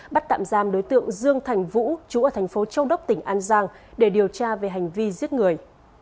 bắt tạm giam đối tượng dương thành vũ chú ở thành phố châu đốc tỉnh an giang để điều tra về hành vi giết người